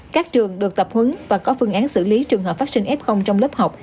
các trường được tập huấn và có phương án xử lý trường hợp phát sinh f trong lớp học